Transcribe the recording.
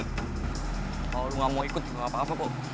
kalau lo gak mau ikut gak apa apa kok